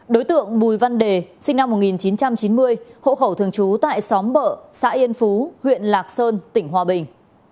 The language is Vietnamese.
đối tượng bùi văn đề sinh năm một nghìn chín trăm chín mươi hộ khẩu thường trú tại xóm bợ xã yên phú huyện lạc sơn tỉnh hòa bình